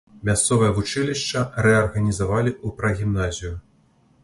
Мясцовае вучылішча рэарганізавалі ў прагімназію.